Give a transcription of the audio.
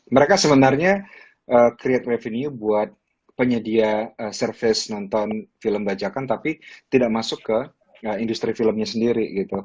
mereka sebenarnya create revenue buat penyedia service nonton film bajakan tapi tidak masuk ke industri filmnya sendiri